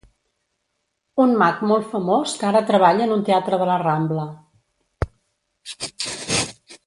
Un mag molt famós que ara treballa en un teatre de la Rambla.